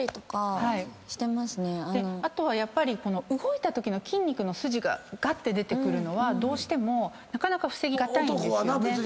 あとは動いたときの筋肉の筋ががって出てくるのはどうしてもなかなか防ぎ難いんですよね。